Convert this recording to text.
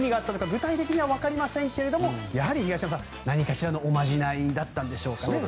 具体的には分かりませんけどやはり何かしらのおまじないだったんでしょうか。